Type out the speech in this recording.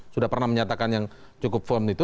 sudah pernah menyatakan yang cukup firm itu